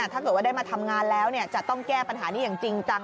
ถ้าเกิดว่าได้มาทำงานแล้วจะต้องแก้ปัญหานี้อย่างจริงจัง